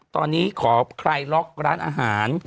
ตอนนี้ขอคลายล็อกร้านอาหาร